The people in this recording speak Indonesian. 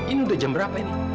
ini udah jam berapa ini